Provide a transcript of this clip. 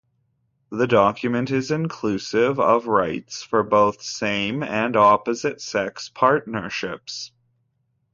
The document is inclusive of rights for both same and opposite sex partnerships.